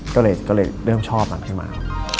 ก็เลยเริ่มชอบนั้นขึ้นมา